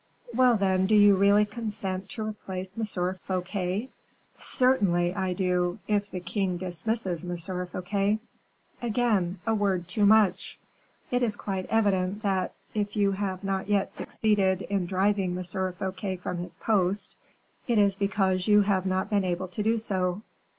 "Well, then, do you really consent to replace M. Fouquet?" "Certainly, I do, if the king dismisses M. Fouquet." "Again, a word too much; it is quite evident that, if you have not yet succeeded in driving M. Fouquet from his post, it is because you have not been able to do so.